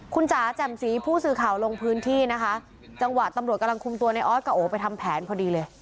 คุณจ๋าแจ่มสีผู้สื่อข่าวลงพื้นที่นะคะจังหวะตำรวจกำลังคุมตัวในออสกับโอไปทำแผนพอดีเลย